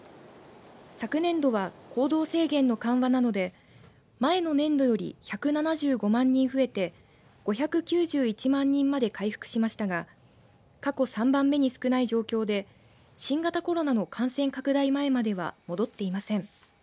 昨年度は行動制限の緩和などで前の年度より１７５万人増えて５９１万人まで回復しましたが過去３番目に少ない状況で新型コロナの感染拡大前までは戻っていません。